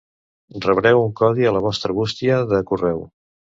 Rebreu un codi a la vostra bústia de correu.